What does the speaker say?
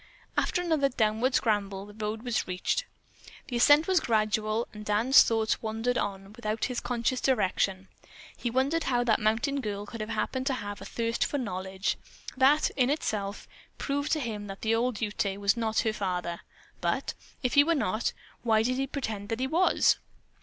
After another downward scramble, the road was reached. The ascent was gradual and Dan's thoughts wandered on without his conscious direction. He wondered how that mountain girl had happened to have a thirst for knowledge. That, in itself, proved to him that the old Ute was not her father, but, if he were not, why did he pretend that he was?